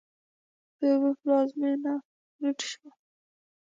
د اویو پلازمېنه لوټ شوه.